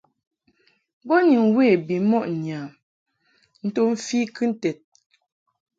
Bo ni mwe bimɔʼ ŋyam nto mfi kɨnted.